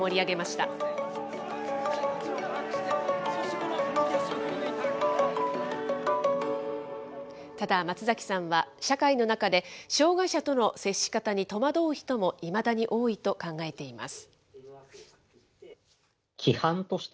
ただ、松崎さんは社会の中で障害者との接し方に戸惑う人も、いまだに多いと考えています。